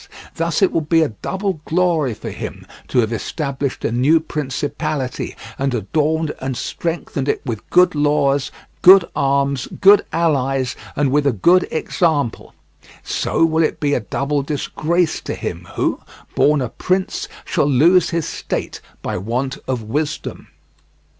Thus it will be a double glory for him to have established a new principality, and adorned and strengthened it with good laws, good arms, good allies, and with a good example; so will it be a double disgrace to him who, born a prince, shall lose his state by want of wisdom.